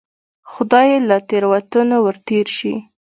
خدای یې له تېروتنو ورتېر شي.